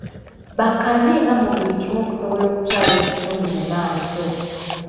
Bakkaanyenga mu buli kimu okusobola okutwala ekitundu mu maaso.